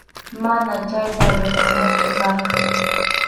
Manam chayta ruranaychu karqan.